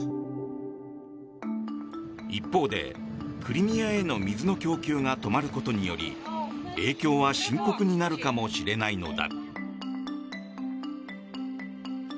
一方で、クリミアへの水の供給が止まることにより影響は深刻になるかもしれないのだ。